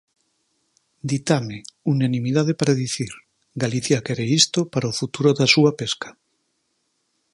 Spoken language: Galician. Ditame, unanimidade para dicir: Galicia quere isto para o futuro da súa pesca.